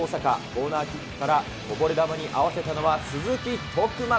コーナーキックから、こぼれ球に合わせたのは鈴木徳真。